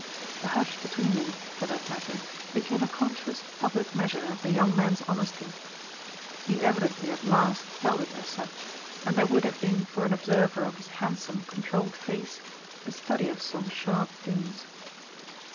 The hush between them, for that matter, became a conscious public measure of the young man's honesty. He evidently at last felt it as such, and there would have been for an observer of his handsome controlled face a study of some sharp things.